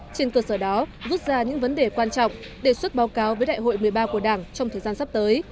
trên cơ sở đó rút ra những vấn đề quan trọng đề xuất báo cáo với đại hội một mươi ba của đảng trong thời gian sắp tới